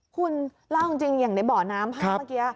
คุณเล่าจริงอย่างในบ่อน้ำภาพเมื่อกี้